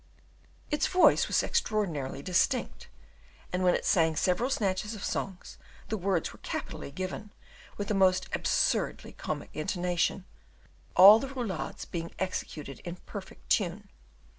Its voice was extraordinarily distinct, and when it sang several snatches of songs the words were capitally given, with the most absurdly comic intonation, all the roulades being executed in perfect tune.